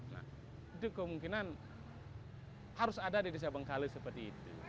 nah itu kemungkinan harus ada di desa bengkale seperti itu